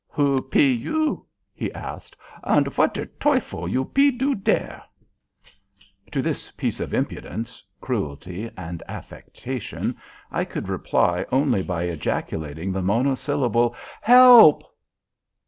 "Who pe you," he asked, "und what der teuffel you pe do dare?" To this piece of impudence, cruelty, and affectation, I could reply only by ejaculating the monosyllable "Help!"